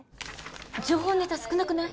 情報ネタ少なくない？